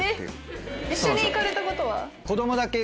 えっ一緒に行かれたことは？